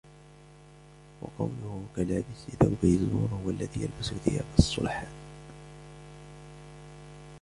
وَقَوْلُهُ كَلَابِسِ ثَوْبَيْ زُورٍ هُوَ الَّذِي يَلْبَسُ ثِيَابَ الصُّلَحَاءِ